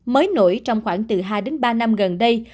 mới nổi trong khoảng từ hai đến ba năm gần đây